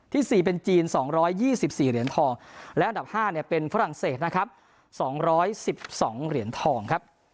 ๔เป็นจีน๒๒๔เหรียญทองและอันดับ๕เป็นฝรั่งเศสนะครับ๒๑๒เหรียญทองครับ